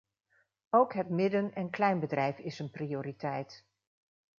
Ook het midden- en kleinbedrijf is een prioriteit.